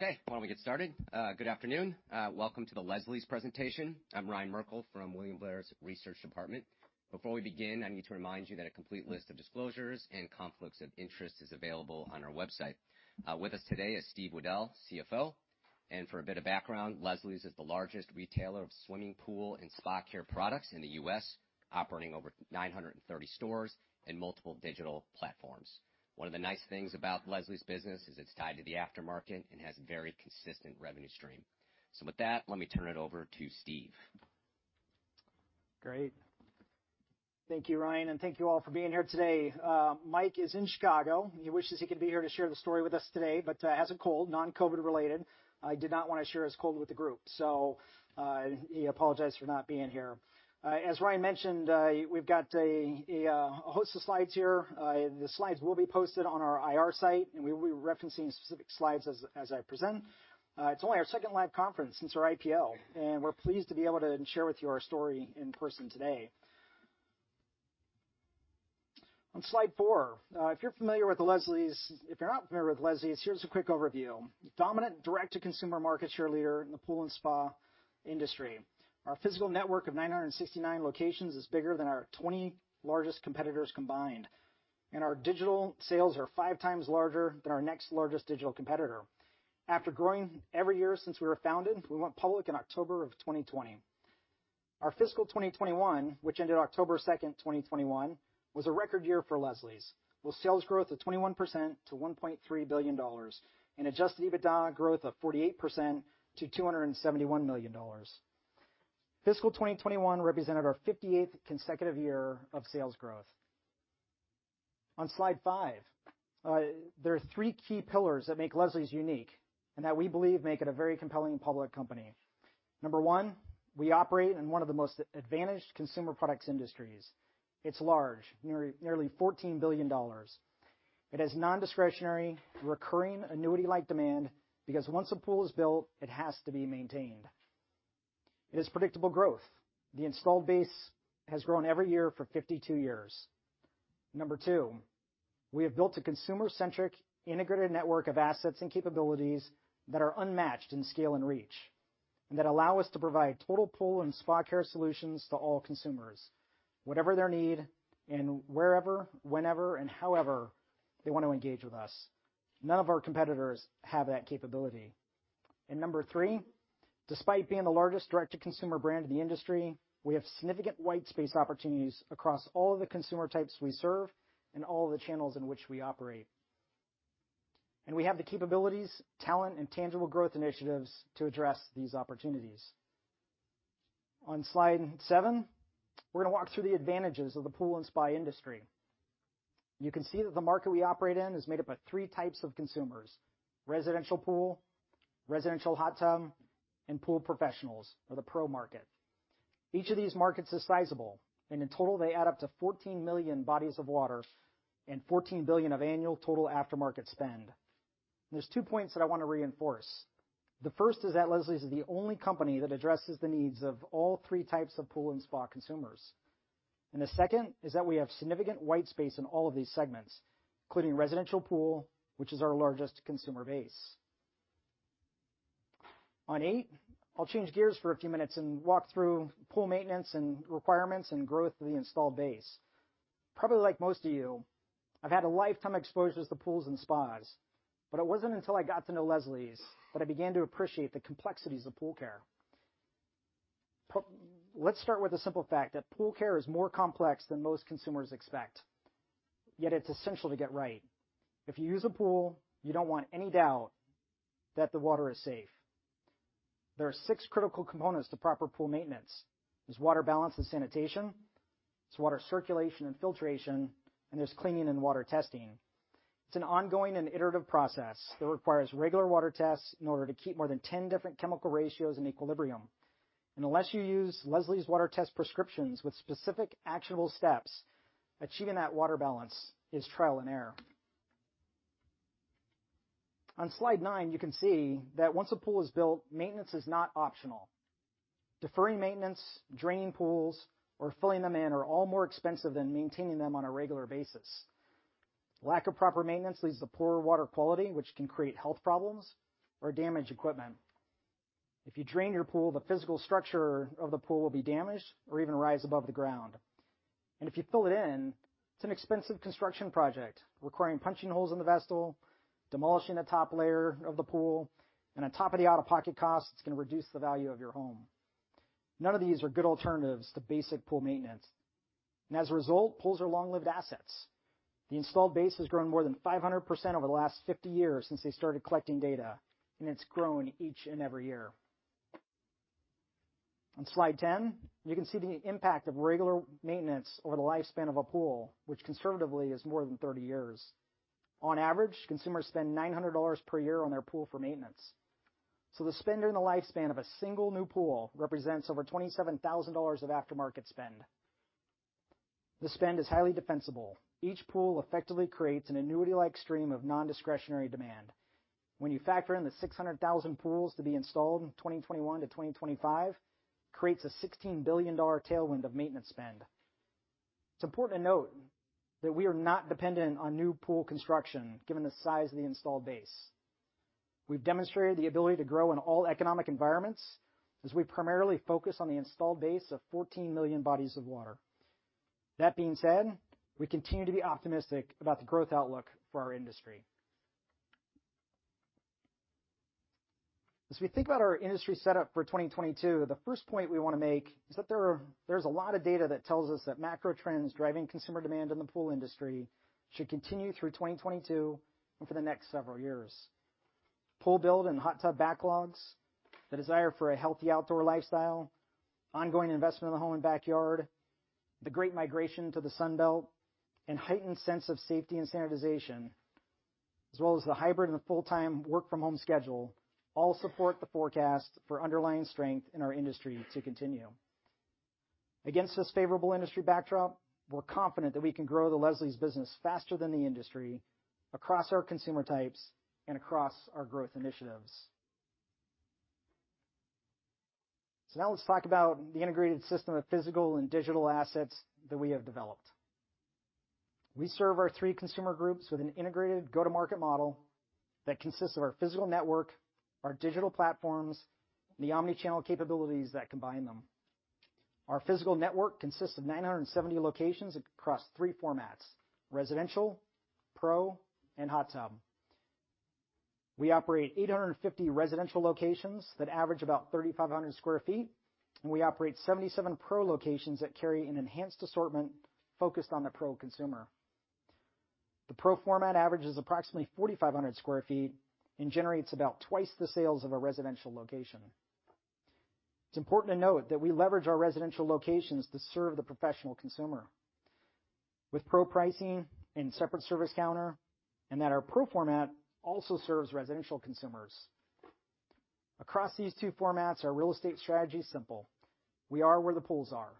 Okay. Why don't we get started? Good afternoon. Welcome to the Leslie's Presentation. I'm Ryan Merkel from William Blair's research department. Before we begin, I need to remind you that a complete list of disclosures and conflicts of interest is available on our website. With us today is Steve Weddell, CFO. For a bit of background, Leslie's is the largest retailer of swimming pool and spa care products in the U.S., operating over 930 stores and multiple digital platforms. One of the nice things about Leslie's business is it's tied to the aftermarket and has very consistent revenue stream. With that, let me turn it over to Steve. Great. Thank you, Ryan, and thank you all for being here today. Mike is in Chicago, and he wishes he could be here to share the story with us today, but has a cold, non-COVID related. Did not wanna share his cold with the group. He apologizes for not being here. As Ryan mentioned, we've got a host of slides here. The slides will be posted on our IR site, and we will be referencing specific slides as I present. It's only our second live conference since our IPO, and we're pleased to be able to share with you our story in person today. On slide four, if you're familiar with the Leslie's. If you're not familiar with Leslie's, here's a quick overview. Dominant direct-to-consumer market share leader in the pool and spa industry. Our physical network of 969 locations is bigger than our 20 largest competitors combined, and our digital sales are 5x larger than our next largest digital competitor. After growing every year since we were founded, we went public in October 2020. Our fiscal 2021, which ended October 2, 2021, was a record year for Leslie's, with sales growth of 21% to $1.3 billion and adjusted EBITDA growth of 48% to $271 million. Fiscal 2021 represented our 58th consecutive year of sales growth. On slide 5, there are three key pillars that make Leslie's unique and that we believe make it a very compelling public company. Number one, we operate in one of the most advantaged consumer products industries. It's large, nearly $14 billion. It has non-discretionary, recurring annuity-like demand because once a pool is built, it has to be maintained. It is predictable growth. The installed base has grown every year for 52 years. Number two, we have built a consumer-centric integrated network of assets and capabilities that are unmatched in scale and reach, and that allow us to provide total pool and spa care solutions to all consumers, whatever their need and wherever, whenever, and however they want to engage with us. None of our competitors have that capability. Number three, despite being the largest direct-to-consumer brand in the industry, we have significant white space opportunities across all the consumer types we serve and all the channels in which we operate. We have the capabilities, talent, and tangible growth initiatives to address these opportunities. On slide 7, we're gonna walk through the advantages of the pool and spa industry. You can see that the market we operate in is made up of three types of consumers: residential pool, residential hot tub, and pool professionals or the pro market. Each of these markets is sizable, and in total, they add up to 14 million bodies of water and $14 billion of annual total aftermarket spend. There's two points that I wanna reinforce. The first is that Leslie's is the only company that addresses the needs of all three types of pool and spa consumers. The second is that we have significant white space in all of these segments, including residential pool, which is our largest consumer base. On slide eight, I'll change gears for a few minutes and walk through pool maintenance and requirements and growth of the installed base. Probably like most of you, I've had a lifetime exposure to pools and spas, but it wasn't until I got to know Leslie's that I began to appreciate the complexities of pool care. Let's start with the simple fact that pool care is more complex than most consumers expect, yet it's essential to get right. If you use a pool, you don't want any doubt that the water is safe. There are six critical components to proper pool maintenance. There's water balance and sanitation, there's water circulation and filtration, and there's cleaning and water testing. It's an ongoing and iterative process that requires regular water tests in order to keep more than 10 different chemical ratios in equilibrium. Unless you use Leslie's water test prescriptions with specific actionable steps, achieving that water balance is trial and error. On slide nine, you can see that once a pool is built, maintenance is not optional. Deferring maintenance, draining pools or filling them in are all more expensive than maintaining them on a regular basis. Lack of proper maintenance leads to poor water quality, which can create health problems or damage equipment. If you drain your pool, the physical structure of the pool will be damaged or even rise above the ground. If you fill it in, it's an expensive construction project requiring punching holes in the vessel, demolishing the top layer of the pool, and on top of the out-of-pocket cost, it's gonna reduce the value of your home. None of these are good alternatives to basic pool maintenance. As a result, pools are long-lived assets. The installed base has grown more than 500% over the last 50 years since they started collecting data, and it's grown each and every year. On slide 10, you can see the impact of regular maintenance over the lifespan of a pool, which conservatively is more than 30 years. On average, consumers spend $900 per year on their pool for maintenance. The spend during the lifespan of a single new pool represents over $27,000 of aftermarket spend. The spend is highly defensible. Each pool effectively creates an annuity-like stream of non-discretionary demand. When you factor in the 600,000 pools to be installed in 2021-2025, creates a $16 billion tailwind of maintenance spend. It's important to note that we are not dependent on new pool construction, given the size of the installed base. We've demonstrated the ability to grow in all economic environments as we primarily focus on the installed base of 14 million bodies of water. That being said, we continue to be optimistic about the growth outlook for our industry. As we think about our industry setup for 2022, the first point we wanna make is that there's a lot of data that tells us that macro trends driving consumer demand in the pool industry should continue through 2022 and for the next several years. Pool build and hot tub backlogs, the desire for a healthy outdoor lifestyle, ongoing investment in the home and backyard, the great migration to the Sun Belt, and heightened sense of safety and sanitization, as well as the hybrid and the full-time work from home schedule, all support the forecast for underlying strength in our industry to continue. Against this favorable industry backdrop, we're confident that we can grow the Leslie's business faster than the industry across our consumer types and across our growth initiatives. Now let's talk about the integrated system of physical and digital assets that we have developed. We serve our three consumer groups with an integrated go-to-market model that consists of our physical network, our digital platforms, and the omni-channel capabilities that combine them. Our physical network consists of 970 locations across three formats, residential, pro, and hot tub. We operate 850 residential locations that average about 3,500 sq ft, and we operate 77 pro locations that carry an enhanced assortment focused on the pro consumer. The pro format averages approximately 4,500 sq ft and generates about twice the sales of a residential location. It's important to note that we leverage our residential locations to serve the professional consumer with pro pricing and separate service counter, and that our pro format also serves residential consumers. Across these two formats, our real estate strategy is simple. We are where the pools are.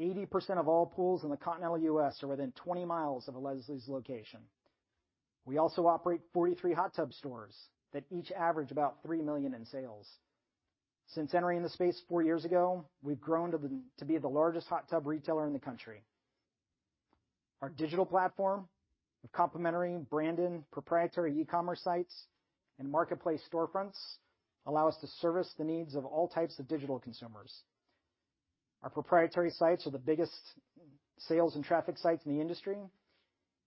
80% of all pools in the continental U.S. are within 20 miles of a Leslie's location. We also operate 43 hot tub stores that each average about $3 million in sales. Since entering the space four years ago, we've grown to be the largest hot tub retailer in the country. Our digital platform of complementary branded proprietary e-commerce sites and marketplace storefronts allow us to service the needs of all types of digital consumers. Our proprietary sites are the biggest sales and traffic sites in the industry.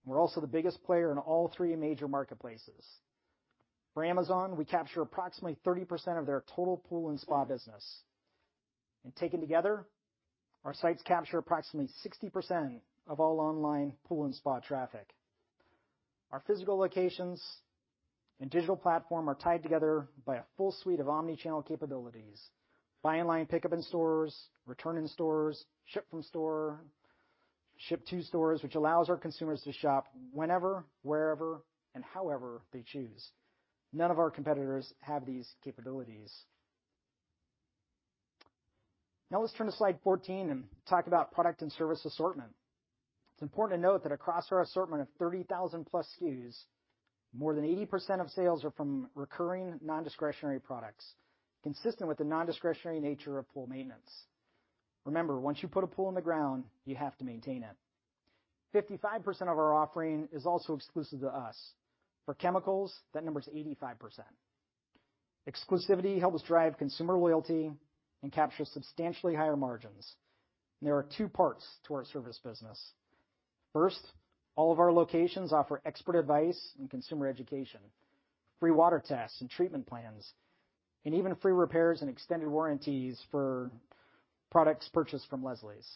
We're also the biggest player in all three major marketplaces. For Amazon, we capture approximately 30% of their total pool and spa business, and taken together, our sites capture approximately 60% of all online pool and spa traffic. Our physical locations and digital platform are tied together by a full suite of omni-channel capabilities. Buy online, pickup in stores, return in stores, ship from store, ship to stores, which allows our consumers to shop whenever, wherever, and however they choose. None of our competitors have these capabilities. Now let's turn to slide 14 and talk about product and service assortment. It's important to note that across our assortment of 30,000+ SKUs, more than 80% of sales are from recurring, non-discretionary products, consistent with the non-discretionary nature of pool maintenance. Remember, once you put a pool in the ground, you have to maintain it. 55% of our offering is also exclusive to us. For chemicals, that number is 85%. Exclusivity helps drive consumer loyalty and captures substantially higher margins. There are two parts to our service business. First, all of our locations offer expert advice and consumer education, free water tests and treatment plans, and even free repairs and extended warranties for products purchased from Leslie's.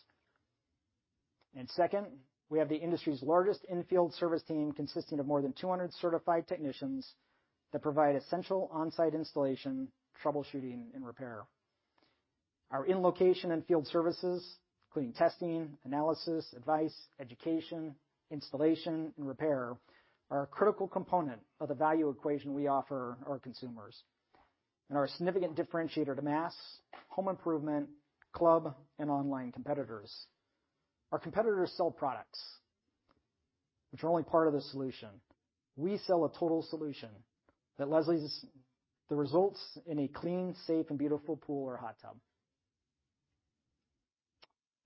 Second, we have the industry's largest in-field service team, consisting of more than 200 certified technicians that provide essential on-site installation, troubleshooting, and repair. Our in-location and field services, including testing, analysis, advice, education, installation, and repair, are a critical component of the value equation we offer our consumers and are a significant differentiator to mass, home improvement, club, and online competitors. Our competitors sell products which are only part of the solution. We sell a total solution that results in a clean, safe, and beautiful pool or hot tub.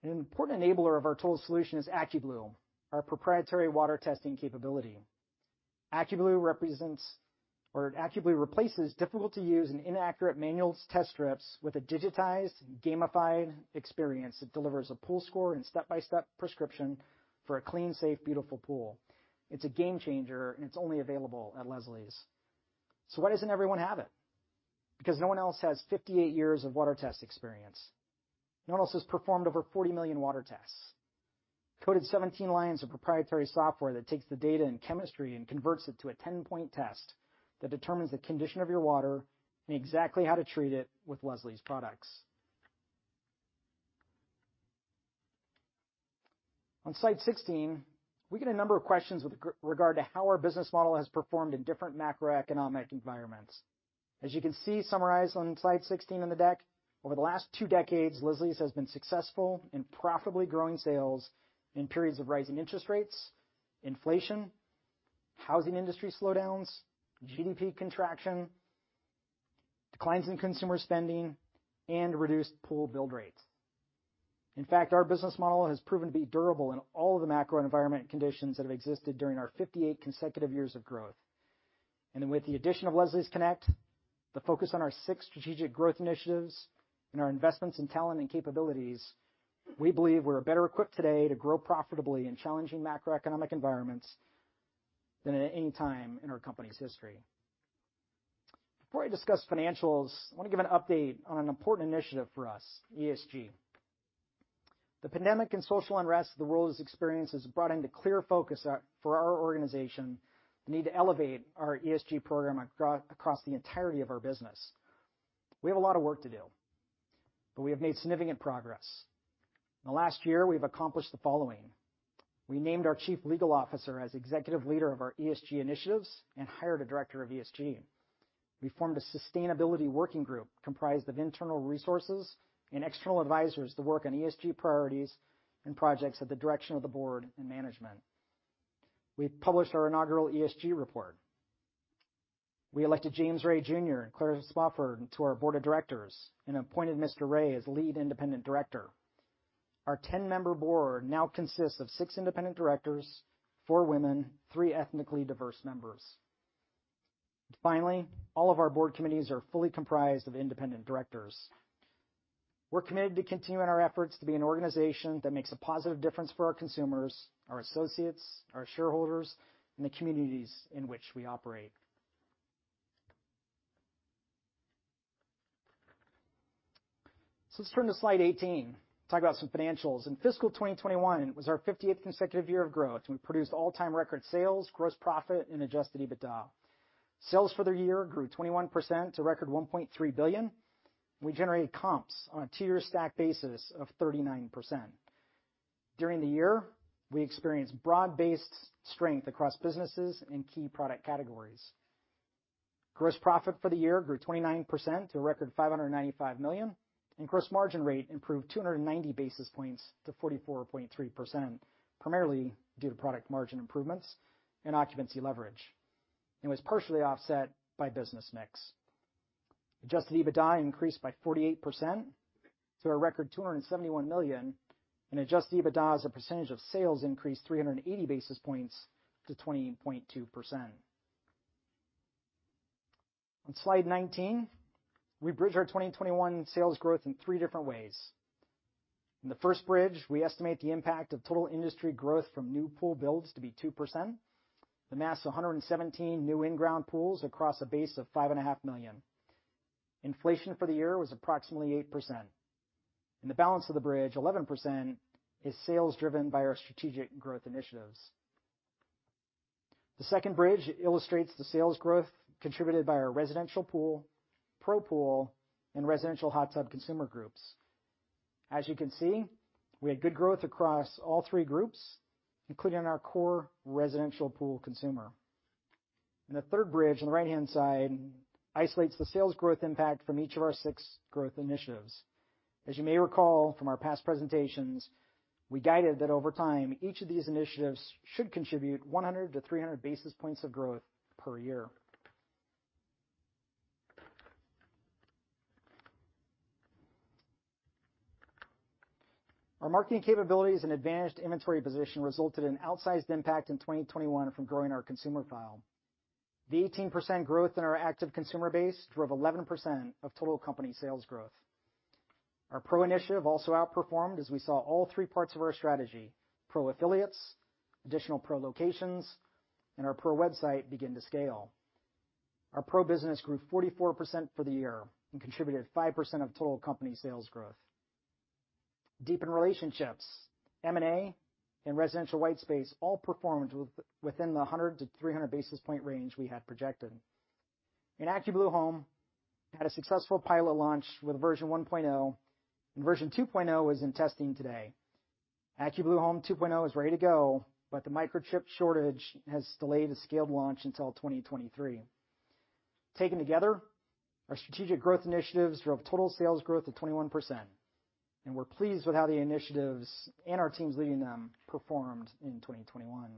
An important enabler of our total solution is AccuBlue, our proprietary water testing capability. AccuBlue replaces difficult-to-use and inaccurate manual test strips with a digitized, gamified experience that delivers a pool score and step-by-step prescription for a clean, safe, beautiful pool. It's a game changer, and it's only available at Leslie's. Why doesn't everyone have it? Because no one else has 58 years of water test experience. No one else has performed over 40 million water tests, coded 17 lines of proprietary software that takes the data and chemistry and converts it to a 10-point test that determines the condition of your water and exactly how to treat it with Leslie's products. On slide 16, we get a number of questions with regard to how our business model has performed in different macroeconomic environments. As you can see summarized on slide 16 in the deck, over the last two decades, Leslie's has been successful in profitably growing sales in periods of rising interest rates, inflation, housing industry slowdowns, GDP contraction, declines in consumer spending and reduced pool build rates. In fact, our business model has proven to be durable in all of the macro environment conditions that have existed during our 58 consecutive years of growth. With the addition of Leslie's Connect, the focus on our six strategic growth initiatives, and our investments in talent and capabilities, we believe we're better equipped today to grow profitably in challenging macroeconomic environments than at any time in our company's history. Before I discuss financials, I wanna give an update on an important initiative for us, ESG. The pandemic and social unrest the world has experienced has brought into clear focus, for our organization, the need to elevate our ESG program across the entirety of our business. We have a lot of work to do, but we have made significant progress. In the last year, we've accomplished the following. We named our chief legal officer as executive leader of our ESG initiatives and hired a director of ESG. We formed a sustainability working group comprised of internal resources and external advisors to work on ESG priorities and projects at the direction of the board and management. We published our inaugural ESG report. We elected James Ray, Jr. and Clarence Swafford to our board of directors and appointed Mr. Ray as lead independent director. Our 10-member board now consists of six independent directors, four women, three ethnically diverse members. Finally, all of our board committees are fully comprised of independent directors. We're committed to continuing our efforts to be an organization that makes a positive difference for our consumers, our associates, our shareholders, and the communities in which we operate. Let's turn to slide 18, talk about some financials. In fiscal 2021 was our fiftieth consecutive year of growth, and we produced all-time record sales, gross profit, and adjusted EBITDA. Sales for the year grew 21% to record $1.3 billion. We generated comps on a tier stack basis of 39%. During the year, we experienced broad-based strength across businesses and key product categories. Gross profit for the year grew 29% to a record $595 million, and gross margin rate improved 290 basis points to 44.3%, primarily due to product margin improvements and occupancy leverage, and was partially offset by business mix. Adjusted EBITDA increased by 48% to a record $271 million, and adjusted EBITDA as a percentage of sales increased 380 basis points to 20.2%. On slide 19, we bridge our 2021 sales growth in three different ways. In the first bridge, we estimate the impact of total industry growth from new pool builds to be 2%. The math of 117 new in-ground pools across a base of 5.5 million. Inflation for the year was approximately 8%. The balance of the bridge, 11%, is sales driven by our strategic growth initiatives. The second bridge illustrates the sales growth contributed by our residential pool, pro pool, and residential hot tub consumer groups. As you can see, we had good growth across all three groups, including on our core residential pool consumer. The third bridge on the right-hand side isolates the sales growth impact from each of our six growth initiatives. As you may recall from our past presentations, we guided that over time, each of these initiatives should contribute 100-300 basis points of growth per year. Our marketing capabilities and advantaged inventory position resulted in outsized impact in 2021 from growing our consumer file. The 18% growth in our active consumer base drove 11% of total company sales growth. Our Pro initiative also outperformed as we saw all three parts of our strategy, Pro affiliates, additional Pro locations, and our Pro website begin to scale. Our Pro business grew 44% for the year and contributed 5% of total company sales growth. Deepened relationships, M&A, and residential white space all performed within the 100-300 basis point range we had projected. AccuBlue Home had a successful pilot launch with version 1.0, and version 2.0 is in testing today. AccuBlue Home 2.0 is ready to go, but the microchip shortage has delayed a scaled launch until 2023. Taken together, our strategic growth initiatives drove total sales growth of 21%, and we're pleased with how the initiatives and our teams leading them performed in 2021.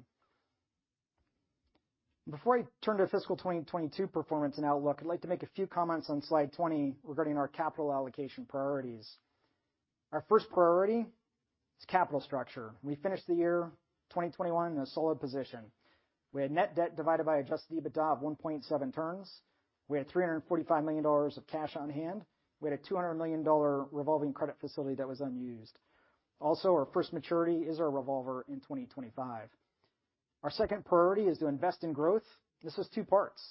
Before I turn to fiscal 2022 performance and outlook, I'd like to make a few comments on slide 20 regarding our capital allocation priorities. Our first priority is capital structure. We finished the year 2021 in a solid position. We had net debt divided by adjusted EBITDA of 1.7 turns. We had $345 million of cash on hand. We had a $200 million revolving credit facility that was unused. Also, our first maturity is our revolver in 2025. Our second priority is to invest in growth. This is two parts.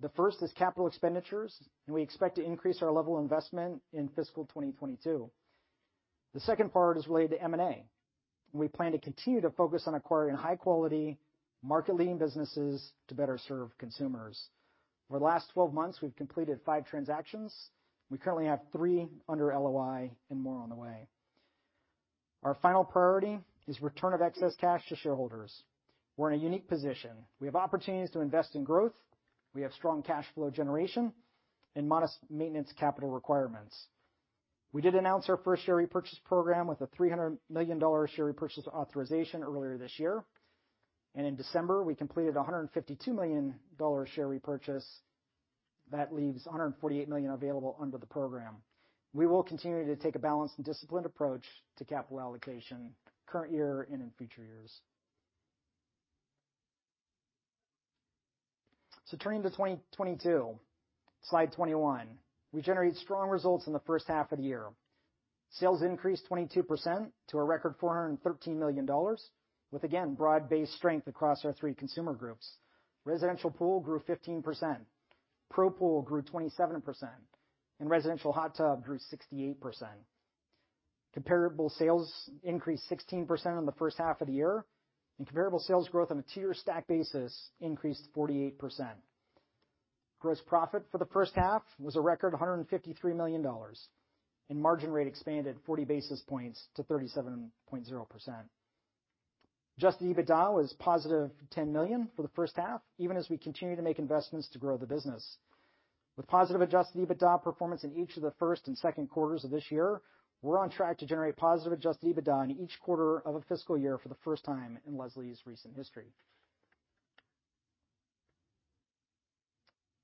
The first is capital expenditures, and we expect to increase our level of investment in fiscal 2022. The second part is related to M&A, and we plan to continue to focus on acquiring high-quality, market-leading businesses to better serve consumers. Over the last 12 months, we've completed five transactions. We currently have three under LOI and more on the way. Our final priority is return of excess cash to shareholders. We're in a unique position. We have opportunities to invest in growth. We have strong cash flow generation and modest maintenance capital requirements. We did announce our first share repurchase program with a $300 million share repurchase authorization earlier this year. In December, we completed a $152 million share repurchase. That leaves a $148 million available under the program. We will continue to take a balanced and disciplined approach to capital allocation current year and in future years. Turning to 2022, slide 21. We generated strong results in the first half of the year. Sales increased 22% to a record $413 million with, again, broad-based strength across our three consumer groups. Residential pool grew 15%, pro pool grew 27%, and residential hot tub grew 68%. Comparable sales increased 16% in the first half of the year, and comparable sales growth on a two-year stack basis increased 48%. Gross profit for the first half was a record $153 million, and margin rate expanded 40 basis points to 37.0%. Adjusted EBITDA was positive $10 million for the first half, even as we continue to make investments to grow the business. With positive adjusted EBITDA performance in each of the first and second quarters of this year, we're on track to generate positive adjusted EBITDA in each quarter of a fiscal year for the first time in Leslie's recent history.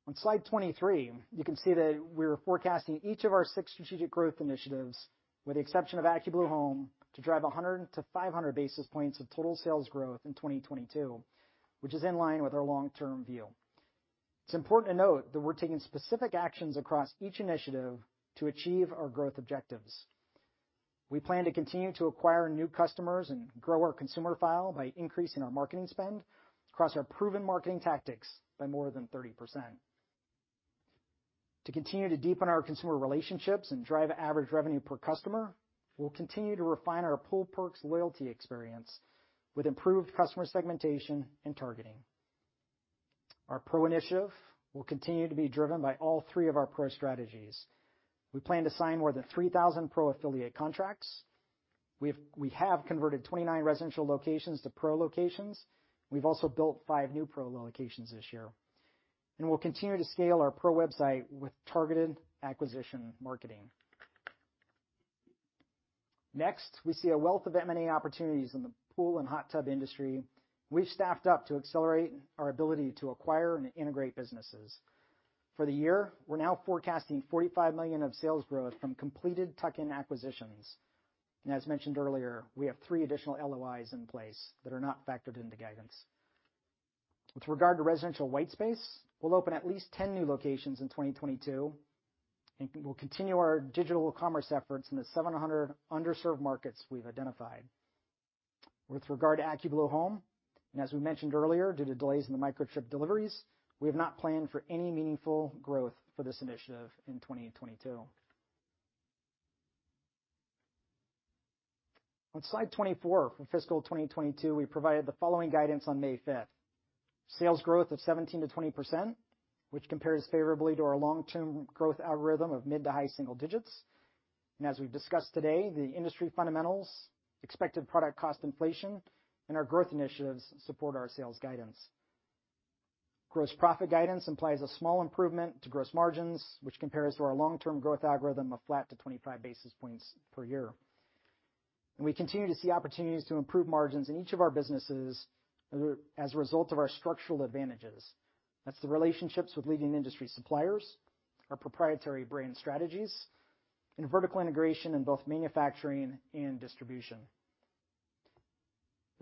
On slide 23, you can see that we're forecasting each of our six strategic growth initiatives, with the exception of AccuBlue Home, to drive 100-500 basis points of total sales growth in 2022, which is in line with our long-term view. It's important to note that we're taking specific actions across each initiative to achieve our growth objectives. We plan to continue to acquire new customers and grow our consumer file by increasing our marketing spend across our proven marketing tactics by more than 30%. To continue to deepen our consumer relationships and drive average revenue per customer, we'll continue to refine our Pool Perks loyalty experience with improved customer segmentation and targeting. Our Pro initiative will continue to be driven by all three of our Pro strategies. We plan to sign more than 3,000 Pro Affiliate contracts. We have converted 29 residential locations to Pro locations. We've also built five new Pro locations this year. We'll continue to scale our Pro website with targeted acquisition marketing. Next, we see a wealth of M&A opportunities in the pool and hot tub industry. We've staffed up to accelerate our ability to acquire and integrate businesses. For the year, we're now forecasting $45 million of sales growth from completed tuck-in acquisitions. As mentioned earlier, we have 3 additional LOIs in place that are not factored into guidance. With regard to residential white space, we'll open at least 10 new locations in 2022, and we'll continue our digital commerce efforts in the 700 underserved markets we've identified. With regard to AccuBlue Home, and as we mentioned earlier, due to delays in the microchip deliveries, we have not planned for any meaningful growth for this initiative in 2022. On slide 24 for fiscal 2022, we provided the following guidance on May fifth: sales growth of 17%-20%, which compares favorably to our long-term growth algorithm of mid- to high-single digits. As we've discussed today, the industry fundamentals, expected product cost inflation, and our growth initiatives support our sales guidance. Gross profit guidance implies a small improvement to gross margins, which compares to our long-term growth algorithm of flat to 25 basis points per year. We continue to see opportunities to improve margins in each of our businesses as a result of our structural advantages. That's the relationships with leading industry suppliers, our proprietary brand strategies, and vertical integration in both manufacturing and distribution.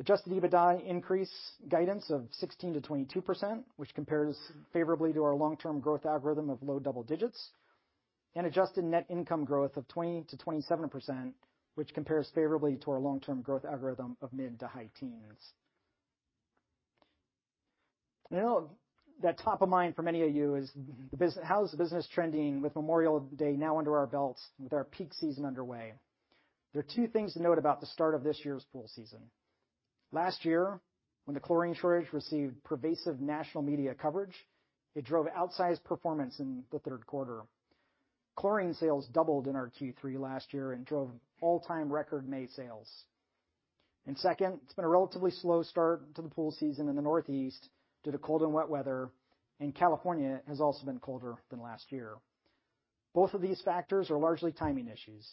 Adjusted EBITDA increase guidance of 16%-22%, which compares favorably to our long-term growth algorithm of low double digits, and adjusted net income growth of 20%-27%, which compares favorably to our long-term growth algorithm of mid to high teens. I know that top of mind for many of you is how is the business trending with Memorial Day now under our belts with our peak season underway? There are two things to note about the start of this year's pool season. Last year, when the chlorine shortage received pervasive national media coverage, it drove outsized performance in the third quarter. Chlorine sales doubled in our Q3 last year and drove all-time record May sales. Second, it's been a relatively slow start to the pool season in the Northeast due to cold and wet weather, and California has also been colder than last year. Both of these factors are largely timing issues.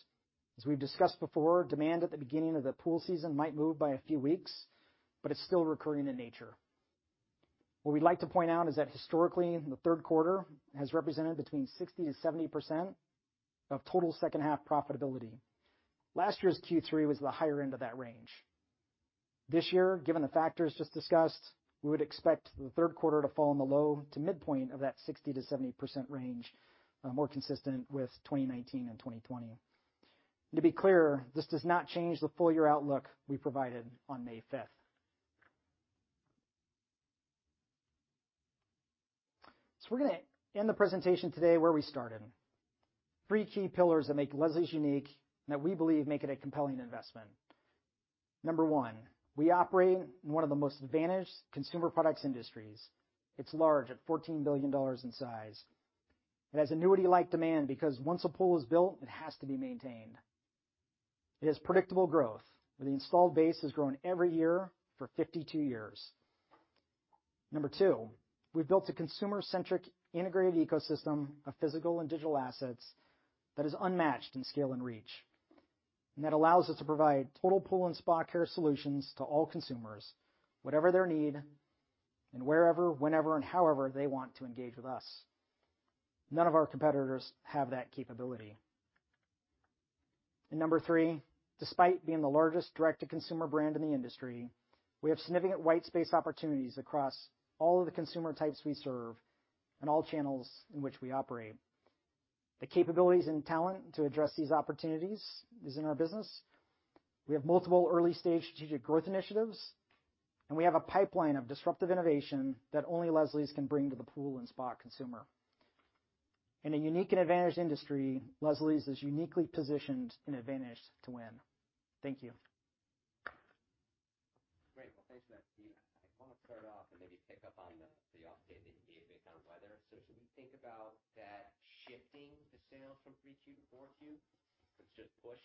As we've discussed before, demand at the beginning of the pool season might move by a few weeks, but it's still recurring in nature. What we'd like to point out is that historically, the third quarter has represented between 60%-70% of total second half profitability. Last year's Q3 was the higher end of that range. This year, given the factors just discussed, we would expect the third quarter to fall in the low to midpoint of that 60%-70% range, more consistent with 2019 and 2020. To be clear, this does not change the full-year outlook we provided on May 5. We're gonna end the presentation today where we started. Three key pillars that make Leslie's unique and that we believe make it a compelling investment. Number one, we operate in one of the most advantaged consumer products industries. It's large at $14 billion in size. It has annuity-like demand because once a pool is built, it has to be maintained. It is predictable growth, where the installed base has grown every year for 52 years. Number two, we've built a consumer-centric integrated ecosystem of physical and digital assets that is unmatched in scale and reach. That allows us to provide total pool and spa care solutions to all consumers, whatever their need, and wherever, whenever, and however they want to engage with us. None of our competitors have that capability. Number three, despite being the largest direct-to-consumer brand in the industry, we have significant white space opportunities across all of the consumer types we serve and all channels in which we operate. The capabilities and talent to address these opportunities is in our business. We have multiple early-stage strategic growth initiatives, and we have a pipeline of disruptive innovation that only Leslie's can bring to the pool and spa consumer. In a unique and advantaged industry, Leslie's is uniquely positioned and advantaged to win. Thank you. Great. Well, thanks for that, Steve. I wanna start off and maybe pick up on the update that you gave based on weather. Should we think about that shifting the sales from 3Q to 4Q? It's just pushed?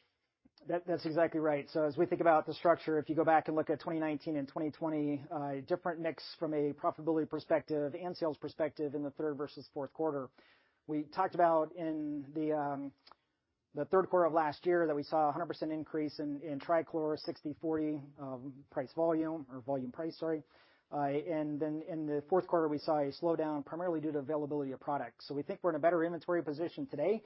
That's exactly right. As we think about the structure, if you go back and look at 2019 and 2020, different mix from a profitability perspective and sales perspective in the third versus fourth quarter. We talked about in the third quarter of last year that we saw a 100% increase in trichlor, 60/40, price volume or volume price, sorry. In the fourth quarter, we saw a slowdown primarily due to availability of product. We think we're in a better inventory position today,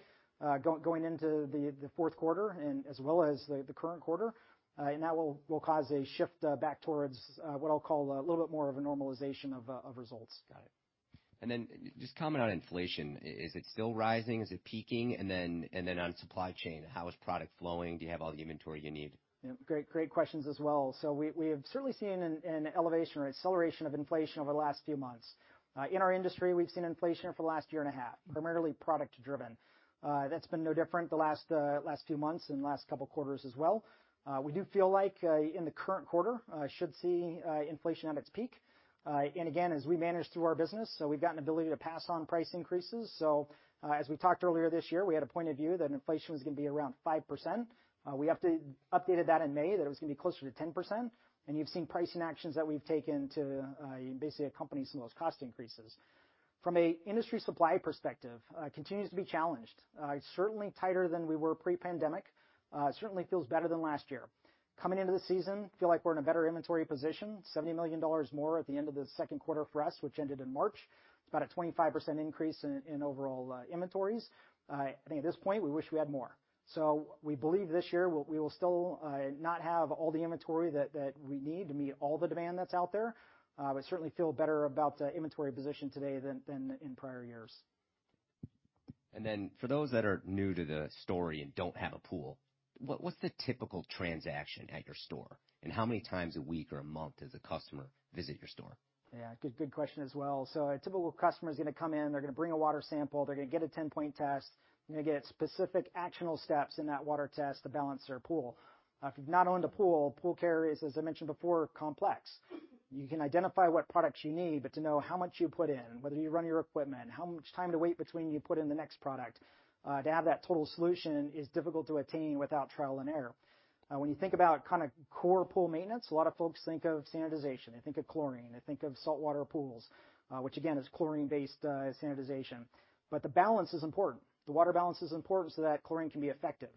going into the fourth quarter and as well as the current quarter. That will cause a shift back towards what I'll call a little bit more of a normalization of results. Got it. Just comment on inflation. Is it still rising? Is it peaking? On supply chain, how is product flowing? Do you have all the inventory you need? Yeah. Great, great questions as well. We have certainly seen an elevation or acceleration of inflation over the last few months. In our industry, we've seen inflation for the last year and a half, primarily product driven. That's been no different the last few months and last couple of quarters as well. We do feel like in the current quarter should see inflation at its peak. Again, as we manage through our business, we've got an ability to pass on price increases. As we talked earlier this year, we had a point of view that inflation was gonna be around 5%. We updated that in May, that it was gonna be closer to 10%. You've seen pricing actions that we've taken to basically accompany some of those cost increases. From an industry supply perspective, it continues to be challenged. It's certainly tighter than we were pre-pandemic. Certainly feels better than last year. Coming into the season, feel like we're in a better inventory position, $70 million more at the end of the second quarter for us, which ended in March. It's about a 25% increase in overall inventories. I think at this point, we wish we had more. We believe this year we will still not have all the inventory that we need to meet all the demand that's out there. Certainly feel better about the inventory position today than in prior years. For those that are new to the story and don't have a pool, what's the typical transaction at your store? How many times a week or a month does a customer visit your store? Yeah. Good question as well. A typical customer is gonna come in, they're gonna bring a water sample, they're gonna get a 10-point test. They're gonna get specific actionable steps in that water test to balance their pool. If you've not owned a pool care is, as I mentioned before, complex. You can identify what products you need, but to know how much you put in, whether you run your equipment, how much time to wait between you put in the next product. To have that total solution is difficult to attain without trial and error. When you think about kinda core pool maintenance, a lot of folks think of sanitization, they think of chlorine, they think of saltwater pools, which again is chlorine-based sanitization. The balance is important. The water balance is important so that chlorine can be effective.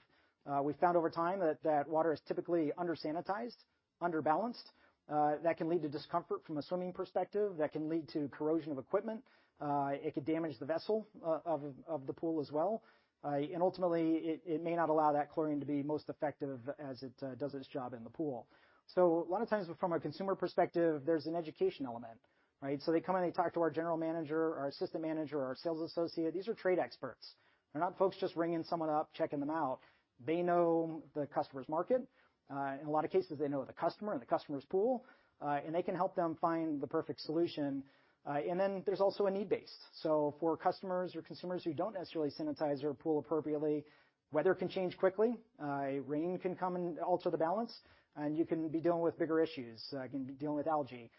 We found over time that water is typically undersanitized, unbalanced. That can lead to discomfort from a swimming perspective, that can lead to corrosion of equipment. It could damage the vessel of the pool as well. Ultimately, it may not allow that chlorine to be most effective as it does its job in the pool. A lot of times from a consumer perspective, there's an education element, right? They come and they talk to our general manager, our assistant manager, our sales associate. These are trained experts. They're not folks just ringing someone up, checking them out. They know the customer's water. In a lot of cases, they know the customer and the customer's pool, and they can help them find the perfect solution. Then there's also a needs-based. For customers or consumers who don't necessarily sanitize their pool appropriately, weather can change quickly. Rain can come and alter the balance, and you can be dealing with bigger issues, can be dealing with algae.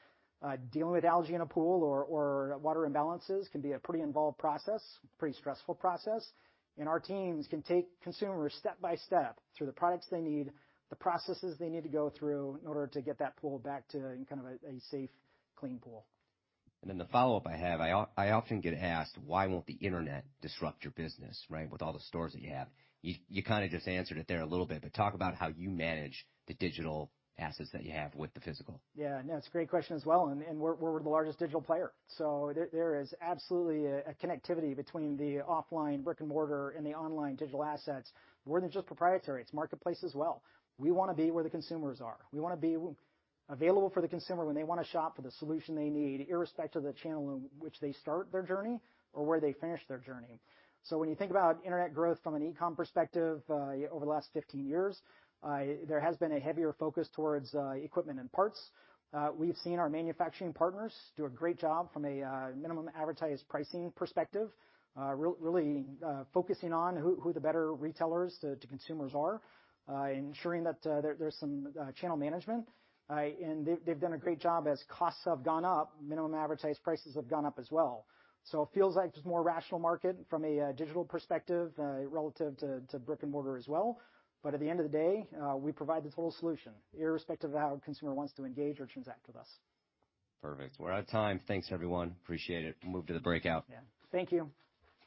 Dealing with algae in a pool or water imbalances can be a pretty involved process, pretty stressful process. Our teams can take consumers step-by-step through the products they need, the processes they need to go through in order to get that pool back to kind of a safe, clean pool. The follow-up I have, I often get asked, why won't the internet disrupt your business, right? With all the stores that you have. You kinda just answered it there a little bit, but talk about how you manage the digital assets that you have with the physical. Yeah. No, it's a great question as well, and we're the largest digital player. There is absolutely a connectivity between the offline brick-and-mortar and the online digital assets. More than just proprietary, it's marketplace as well. We wanna be where the consumers are. We wanna be available for the consumer when they wanna shop for the solution they need, irrespective of the channel in which they start their journey or where they finish their journey. When you think about internet growth from an e-com perspective, over the last 15 years, there has been a heavier focus towards equipment and parts. We've seen our manufacturing partners do a great job from a minimum advertised pricing perspective, really focusing on who the better retailers to consumers are, ensuring that there's some channel management. They've done a great job as costs have gone up, minimum advertised prices have gone up as well. It feels like there's more rational market from a digital perspective relative to brick and mortar as well. At the end of the day, we provide the total solution irrespective of how a consumer wants to engage or transact with us. Perfect. We're out of time. Thanks, everyone. Appreciate it. We'll move to the breakout. Yeah. Thank you.